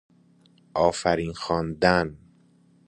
آفرین خواندن